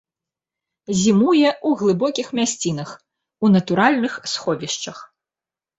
Зімуе ў глыбокіх мясцінах у натуральных сховішчах.